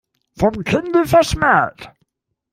Vom Kinde verschmäht.